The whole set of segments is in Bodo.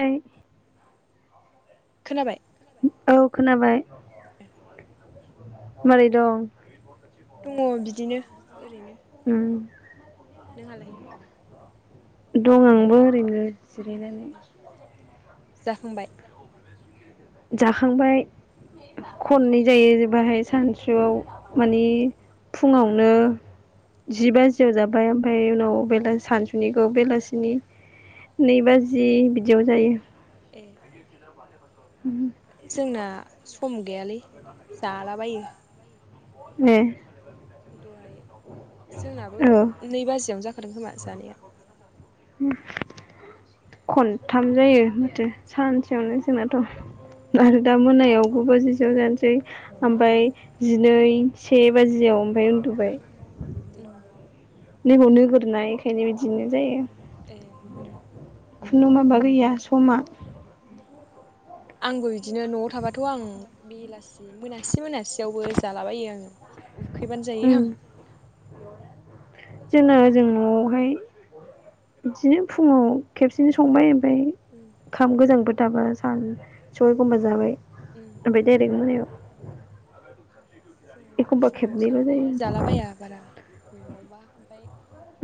नै खोनाबाय खोनाबाय मारै दं दङ बिदिनो ओरैनो उ नोंहालाय दं आंबो ओरैनो जिरायनानै जाखांबाय जाखांबाय खननै जायो जे बाहाय सानसुआव माने फुङावनो जि बाजियाव जाबाय ओमफ्राय उनाव बेला सानजुफुनिखौ बेलासिनि नै बाजि बिदियाव जायो ए जोंना सम गैयालै जालाबायो ए दहाय जोंनाबो औ नै बाजियावनो जाखादों खोमा जानाया खनथाम जायो माथो सानसेयावनो जोंनाथ आरो दा मोनायाव गु बाजिसेआव जानोसै औ ओमफ्राय जिनै से बाजियाव ओमफफ्राय उन्दुबाय उम नै बेयाव नोगोरना इखायनो बिदिनो जायो ए ओ खुनु माबा गैया समा आंबो बिदिनो नआव थाबाथ आं बेलासि मोनासे मोनासेयावबो जालाबायो आं उ उखैबानो जायो उम आं जोंना जों टाइमानो गैया न'आवहाय बिदिनो फुङाव खेबसेनो संबाय उम खाम गोजां बोथ दाबा सान सयखमबो जाबाय उम बे दायरेक होनायाव जोंहा एखमबा फुंङाव खेबनैल' जानाया जायो जालाबाया बारा न'आवबा ओमफ्राय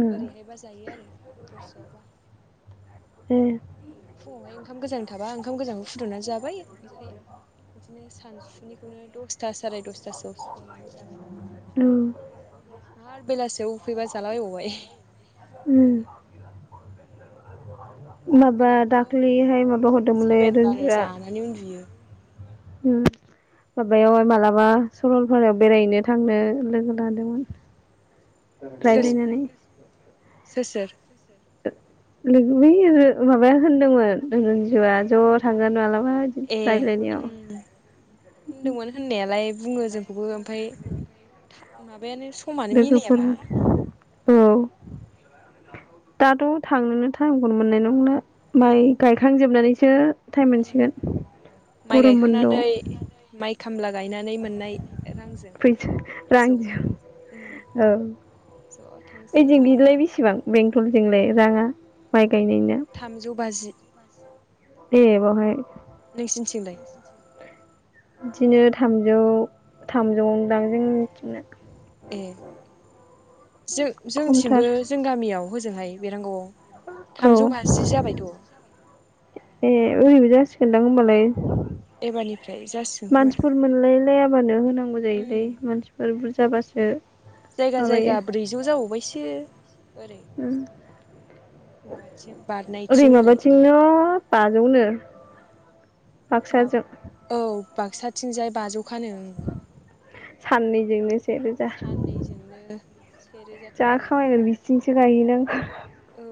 उम ओरैहायबा जायो आरो दस्रयावबा उम फुङावहाय ओंखाम गोजान थाबा ओंखाम गोजांखौ फुदुंनानै जाबाय ओमफ्राय बिदिनो सानसुनिखौनो दसे था सारैय दसथासोआव संनानै जाबाय उम ह बेलासेयाव उफैबा जालाबायबावबाय उम मोनायाव माबा मोनायावथ' दाखलैहाय माबा हरदोंमोनलै सेभेन बानो रन्जुआ जानानै उन्दुयो उम माबायावहाय मालाबा सरलपारायाव बेरायहैनो थांनो लोगो लादोंमोन सोर रायलि नालै सोर सोर लोगो बे माबाया होनदोंमोन रनजुआ ज' थांगोन मालाबा मादि ए रायज्लायनायाव उम होनदोंमोन होननायालाय बुङो जोंखौबो ओमफाय माब बेनो समानो लोगोफोर मिलायाबा औ दाथ थांनोनो टाइमखौनो मोननाय नंला औ माइ गायखांजोबनानैसो टाइम उम मोनसिगोन माइ गरम बन्द गायखांनानै माइ खामला गायनानै मोननाय रांजों फैसा ज' रांजों उम औ ज' थांसै ओइजों मालाबा बिलाय बेसेबां बेंटलजोंलाय। जा बाय थामजौ बाजि देबहाय। नोंसिनिथिंलाय बिदिनो थामजौ थामजौदां जों मिथिंनो। ए जों खमथार जोंथिंबो जों गामियाव होजोंहाय बे रोंग' हजों थामजौ औ बाजि जाबायथ'। ए ओरैबो जासिगोनदां होमबालाय एबारनिफ्राय जासिगोन खोमाथ' मानसिफोर मोनलाय लायाबानो होनांगौ जायोलै उम मानसिफोर बुरजाबासो बे जायगा जायगा ब्रैजौ जाबावबायसो। ओरै उ माबाथिं ओरै बारनायथिं माबाथिंनो बाजौनो। मा बाक्साजों औ बाक्साथिंजाय बाजौखानो साननैजोंनो से रोजा साननैजोंनो सेरोजाथ' आरो जाखामायगोन बिथिं सि दायो नों ओ।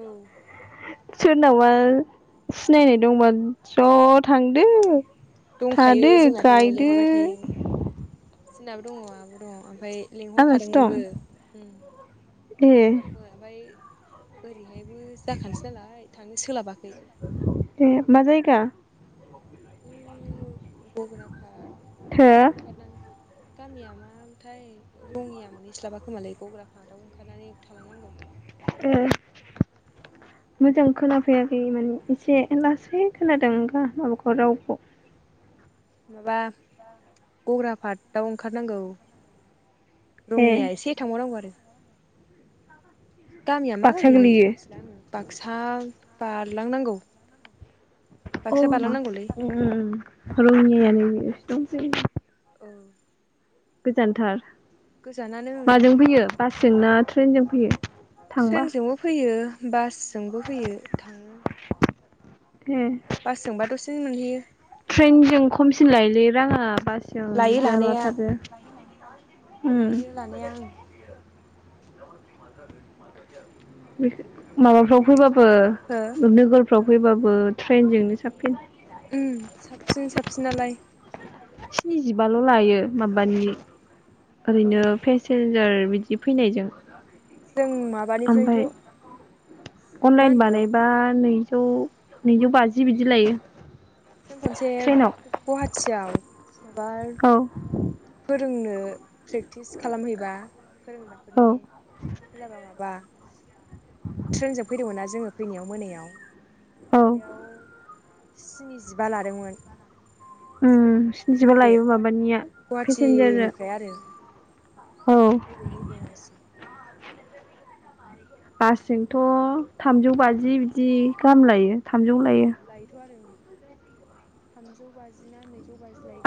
सोरनावबा सिनायनाय दंबा ज' थांदो। दंखायो थादो जोंनाथ' गायदो लेंहरबाय थायो जोंनाबो दङ आब' दङ आ। ओमफ्राय आलासि दं लेंहरखादोंमोनबो ए लेंहरखादोंबो ओमफ्राय ओरैहाय। बो जाखानोसै नालाय। आनो सोलाबाखै। ए मा जायगा गुबुन आफाद हो दाउ ओंखरनानै गामिया मा मोनथाय? रङिया मोनहैस्लाबा खोमालाय गग्रा पारतआव ओंखारनानै थालांनांगौ। उ मोजां खोनाफैाखै माने एसे लासै खोनादों माबाखौ रावखौ। माबा गग्रा पारटआव ओंखारनांगौ। ए रङिया एसे थांबावनांगौ आरो। गामिया मा बाक्सा गामिनो गोलैयो मिथिला आङो बाक्स। थां बारलांनांगौ। अ बाक्सा उम उम बारलांनांगौलै उम रंङियानिनो। दंसै। औ गोजानथार। गोजानानो ओं माजों फैयो बासजों ना ट्रेनजों? बे। ट्रेनजोंबो फैयो। बासजोंबो फैयो थाङो। [inaudible] बासजोंबा दसे। जों मोनहैयो। ट्रेनजों खमसिन लायोलै। राङा बासियाव लायो बुरजा लानाया लाथारो। लायो लानाया आं माबाफ्राव फैबा ओ हो गनोग फाव फैबाबो ट्रेनजोंनो साबसिन। उ साबसिन साबसिनलाय। स्निजिबाल' लायो माबानि। औ ओरैनो फेसेल सोर मिथि फैनायजों। जों माबानिफ्रायथ' ओमफाय मा अनलाइन होनो बानायबा नै। ज'। नैजौ बाजि बिदि लायो। जों खनसे ट्रेनाव गुवाहाटियाव। बाल्ब औ जोंनो प्रेक्टिस खालामहैबा। औ फोरोंग्राफोरनि होनलाबा माबा ट्रेनजों फैदोंमोन ना जोङो। फैनायाव मोनायाव। औ बेयाव। स्निजिबा लादोंमोन। उ जोंनिखौ स्निजिबा नैबे लायो माबानिया पेसेन्जारनो गुवाहाटिनिफ्राय आरो औ नैबेनि बङाइसिम बासजोंथ' थामजौ बाजि बिदि गाहाम लायो थामजौ औ लायो लायोथ आरो ओं थामजौ बाजि ना नै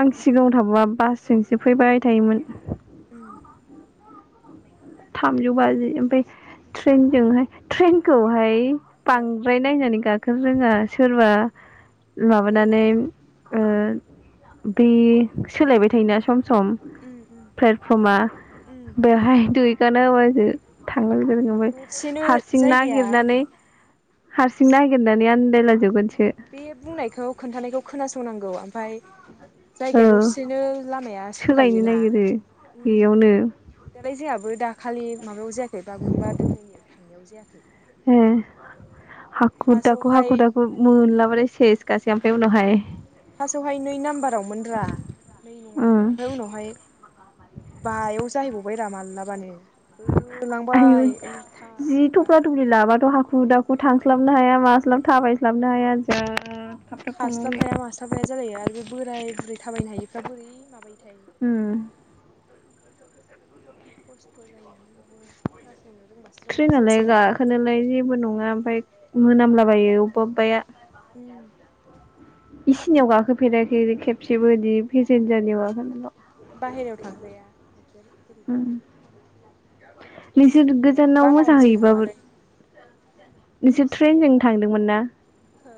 आं सिगाङाव थाबा बासजोंसो फैबाय थायोमोन उम थामजौ बाजि ओमफ्राय ट्रेनजोंहाय ट्रेनखौहाय हो बांद्राय न जानि [inaudible] गा रोङा सोरबा ओ माबानानै ओ बे सोलायबाय थायोना सम सम उम उम प्लेटफर्मआ उम बेवहाय दुइ ानाबाज [inaudible] [unintelligible] दसेनो हारसिं जायगाया नागिरनानै हारसिं नागिरनानै आन्दायलाजोबगोनसो बे बुंनायखौ खोन्थानायखौ खोनासंनांगौ आ फाय औ जायगाया दसेनो लामाया सोलायनो सोलायोना नागिरो बेयावनो दालाय जोंहाबो दाखालि खालि माबायाव जायाखै बागुरुम्बा दोहौनि थांनायाव जायाखै ए हाखु दाखु फार्स्टआवहाय हाखु दाखु मोनलाबाथाय सेस गासै ओमफफ्राय उनावहाय फार्स्टआवहाय नै नाम्बाराव मोन रा नै नङआवमोन उम ओमफ्राय उनावहाय बायाव जाहैबावबाय रा माल्ला माने आयु होलांबाय उल्था गा हुदाखौ थांस्लाबनो हाया मास्लाब थाबायस्लाबनो हाया ओ खास्लाब हाया मास्लाबफाया जालायो आरो बे बोराय बुरै थाबायनो हायिफ्रा बोरै माबायो थाय उम खस्थ' जायो [inaudible] रोंबाय सोरबा ट्रेनालाय सोरबा गाखोनालाय जेबो नङा ओमफाय मोनामला बायो अबेबा अबेबाया उम इसिनियाव गाखोफेराखै खेबसेबो बिदि पेसेन्जारनियाव गाखोनल बाहेरायाव थांग्राया बोरैबा उम नोंसोर एसिनिया गोजानाव बारा मोजां [inaudible] जेबो हैयोबाबो नङालै नोंसोर एसिनिया ट्रेनजों बारा थांदोंमोन ना हो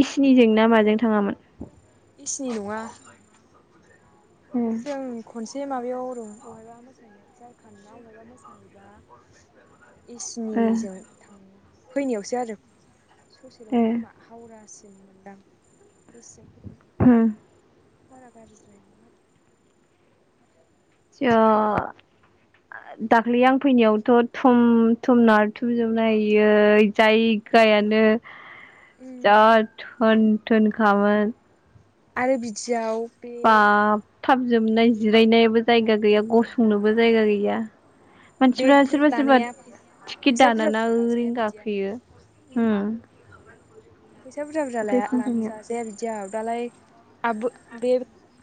इसिनिजों ना माजों थाङामोन इसिनि नङा ए जों खनसे माबा बेयाव रं बहायबा मोसाहैनाय [unintelligible] बहायबा मोसाहैबा इसनिजों ए थाङो फैनायावसो आरो ए ससेलमोन खोमा हावउरास जमन्दा [inaudible] बेसे उम बारा गारजिद्राय नङा आरो ओ दाख्लै आं फैनायावथ थुम थुम नारथुमजोबनाय आयै जायगायानो उम जा थोन थोनखामोन आरो बिदियाव बे बा थाब जोबनाय जिरायनायाबो जायगा गैया उम गसंनोबो जायगा गैया गैया मानसिफ्रा बेगफोर सोरबा सोरबा लानाया टिकेट फैसा बुरजा दाना ना बुरजा लाजाया ओरैनो बिदियाव गाखोयो फैसा बुरजा बुरजा लाया पेसेन्ट फोरनिया जाजाया बिदिआव दालाय आ बे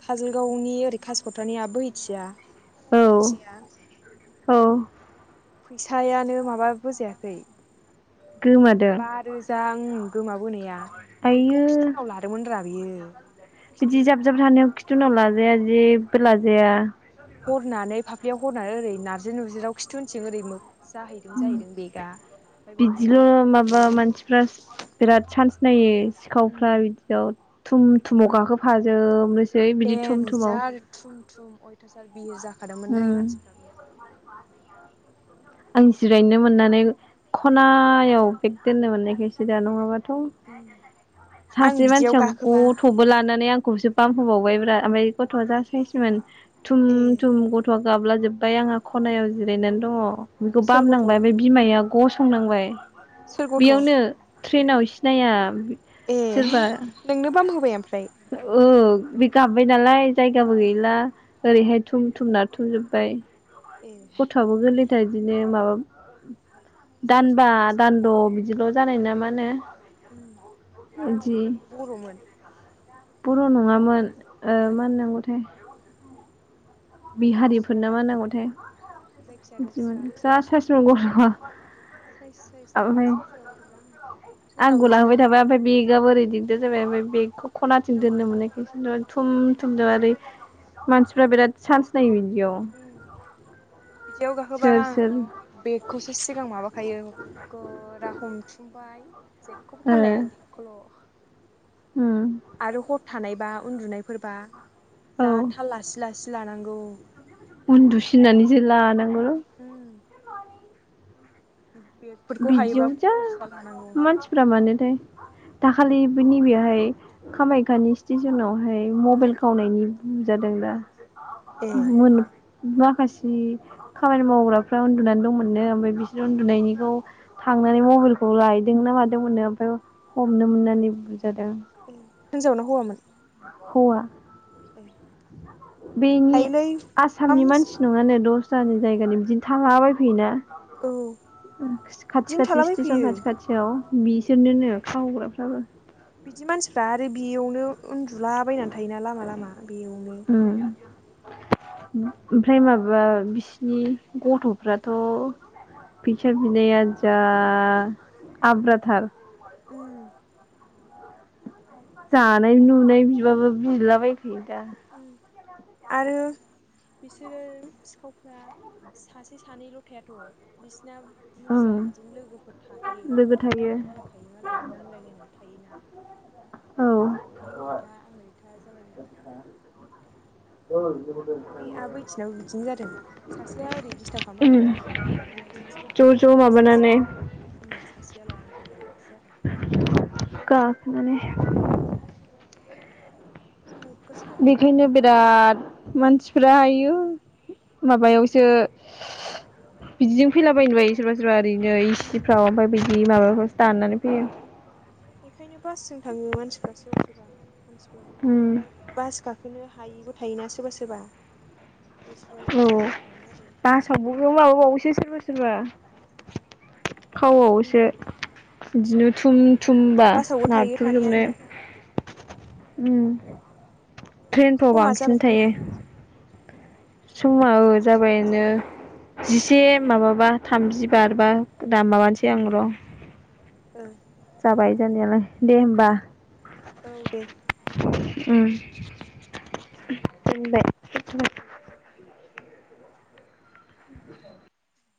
काजलगावनि ओरै कासकट्रानि आ बोहैथिया औ सासेया औ फैसायानो माबा बोजायाखै गोमादों बा रोजा ओं गोमाबोनाया बेखौ आइयो खिथुनाव लादोंमोन रा होयो। बिदि जाब जाब थानायाव खि जोंनाव लाजाया जेबो लाजाया। हरनानै फाफ बेयाव हरनानै ओरै नारजि नुरजिराव खिथु उनथिं ओरै मो उम बावनो बिदिल' माबा खावनानै मानसिफोरास बिराद सान्स नायो सिखावफ्रा बिदियाव थुम थुमाव गाखोफाजोब नोस सै बिदि थुम थुमाव देनजार थुम थुम अयथासार बि जा खादोमोनलै उम मानसिफ्राबो आं जिरायनो मोननानै खनायाव बेग दोननो मोननायखायसो दा नङाबा थ आं सासे बिदियाव मानसिया गाखोबा गथ'बो लानानै आंखौसोब बाम होबावबायब्रा ओमफाय गथ'आ जा सायेसमोन। थुम ए थुम गथ' गाब्लाजोब्बाय आंहा खनायाव जिरायनानै दङ। बेखौ सोर गथ' बामनांबाय ओमफाय बिमायाब गसंनांबाय सोर गथ'? बेयावनो ट्रेनाव सिनाया ए सोरबा नोंनो बाम होबाय ओमफ्राय औ बे गाबबाय नालाय जायगाबो गैला। ओरैहाय थुम थुम नारथुमजोबबाय। ए गथ'आबो गोलै दिनो माबाब सोर दानबा सोरबा दानद' बिदिल' जानाय नाब? मानो उम बर'मोन? बर' नङामोन। ओ ए मा होननांगौथाय? दस्रा बिहारिफोरना मा होनांगौथाय जायखिजाया बिदिमोन दस्रा जा सायेसमोन गथ'आ [inaudible] साइस साइस थायो सोर सोरबा गथ'फ्रा आं ट्रनाव बिदिनो बे जाबय बेखौ खनाथिं दोननो मोननायखौ थुम थुमजों ओरै मानसिफ्रा बिराद चान्सनाय बि याव। बिदियाव गाखोबा आंथ बेगखौसो सिगां माबाखायो गोरा हमथुमबाय जेखौबो ओ थारलाया आं बेखौल'। उम आरो हर थानायबा उन्दुनायफोरबा औ जाथा लासि लासि लानांगौ। उन्दुसिनानै जो लानांग हो बेगफोरखौ हायोबा बिदियाव जा खरसा लानांगौ मानसिफ्रा मानोथाय दाखालिबो नैबेयावहाय कामायाखयाानि स्टेसनाव ओमफ्राय मबाइल खावनायनि हम जादों दा। ए मोननो माखासे खामानि मावग्राफ्रा उन्दुनानै दंमोननो ओमफ्राय बिसोरो उन्दुनायनिखौ थांनानै मबाइलखौ लायदों ना मादोंमोननो ओमफ्राय हमनो मोननानै बु जादों। हिनजावनो हौवामोन? हौवा। [unintelligible] बेनि थायोलै मा आसामनि मोस मानसि नङानो दस दस्रानि जायगानि बिदिनो थांला बबायफैयोना। औ खाथि बिदिनो खाथि स्टेसन थालाबायफैयो खाथि खाथियाव। बिसोरनोनो खावग्राफ्राबो। बिदि मानसिफ्रा आरो बेयावनो उन्दु दुलाबायनानै थायोना लामा लामा बेयावनो। उम ओमफ्राय माबा बिसिनि गथ'फ्राथ' पिक्सार बिनाया जा आब्राथार। उओम जानाय लुनाय बिबाबो बिलाबाय फै दा आरो बिसोरो सिखावफ्रा सासे सानैल' थाथ' बिसना बुरजा ओं बिदिनो लोगोफोर थाखायो लोगो खोथा थायो रायलायलायखायो मालाय रानलायलायनानै थायोना। औ नों ओरैथा आं ओरै। खोथा जालायलायो औ [unintelligible] बे आबैथिंनाबो बिदिनो जादों सासेया ओरै दिस्टार्ब खालामबाय थाबाय ओरैहाय नायबाय थाबाय सासेखौ ज' खेललाबाय ज' ओमफाय माबानानै सासेया ओम सासेया लाना। थांबाय सो आरो। गाब मानेह। नोगोर साबधान बिदिनो थांखानांगौ बिराद मानसिफोरा होयो। ओमह। उम माबायावसो। बिदिजों फैलाबायनोबो हायो सोरबा सोरबा। दैनै उम सिफ्राव ओमफाय बिदि माबाब। [unintelligible] ताननानै फैयो। बेखायनो बासजों थाङो मानसिफ्रा सोरबा सोरबा। [inaudible] मानसिफोराबो ओमफाय बास गाखोनो हा। हायिबो थायोना सोरबा सोरबा। बिसोरो औ ट्रेनजों थाङो आरो ओमफाय। सोर सोरबा सोरबा खावआवसो उम बिदिनो थुम थुमबा बासावबो थायो थानाया नारथुमजुबनो। ओम। ट्रेनफ्राव समा बांसिन जाबाय खोमा थायो। सुमाव समा जाबाय जाबायनो जिसे उम माबाबा। थामजि बारबा दाम माबानोसै आं र'। ओ। बाय दानायालाय दे होमबा। औ दे। उम ओहम दे।